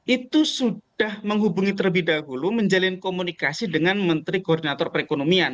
itu sudah menghubungi terlebih dahulu menjalin komunikasi dengan menteri koordinator perekonomian